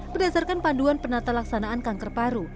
berdasarkan panduan penata laksanaan kanker paru